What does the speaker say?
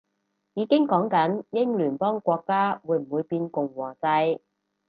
已經講緊英聯邦國家會唔會變共和制